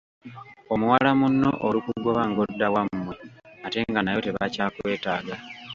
Omuwala munno olukugoba ng'odda wammwe ate nga nayo tebakyakwetaaga!